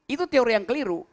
itu teori yang keliru